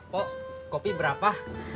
pak kopi berapa